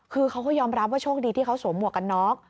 คือเขาก็ยอมรับว่าโชคดีที่เขาสวมหมวกกันน็อก